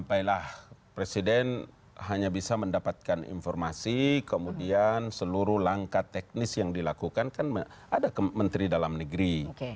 baiklah presiden hanya bisa mendapatkan informasi kemudian seluruh langkah teknis yang dilakukan kan ada menteri dalam negeri